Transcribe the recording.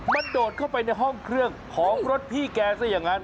มันโดดเข้าไปในห้องเครื่องของรถพี่แกซะอย่างนั้น